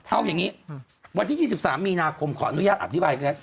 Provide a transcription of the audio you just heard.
เอาอย่างนี้วันที่๒๓มีนาคมขออนุญาตอธิบายก็ได้